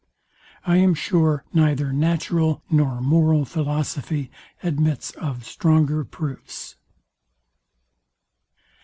I am sure neither natural nor moral philosophy admits of stronger proofs.